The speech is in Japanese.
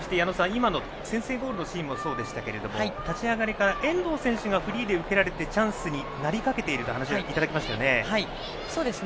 今の先制ゴールのシーンもそうですが立ち上がりから遠藤選手がフリーで受けられてチャンスになりかけているという話をいただきましたよね。